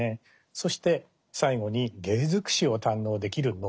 そして最後に芸尽くしを堪能できる能。